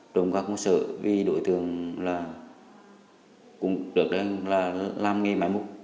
trộm cắp công sở vì đối tượng cũng được làm nghề máy múc